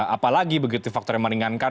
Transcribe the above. apalagi begitu faktor yang meringankan